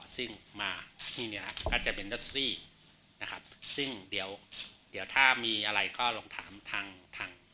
ซึ่งมาที่เนี้ยก็จะเป็นดอสซี่นะครับซึ่งเดี๋ยวเดี๋ยวถ้ามีอะไรก็ลองถามทางทาง